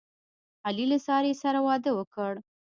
علي له سارې سره واده وکړ.